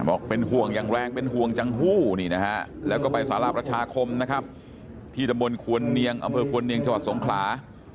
ด้วยภาษาทิมทางใต้